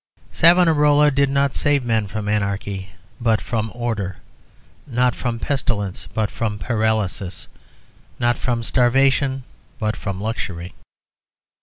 Savonarola did not save men from anarchy, but from order; not from pestilence, but from paralysis; not from starvation, but from luxury.